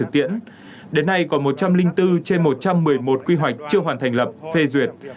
đến nay còn một trăm linh bốn trên một trăm một mươi một quy hoạch chưa hoàn thành lập phê duyệt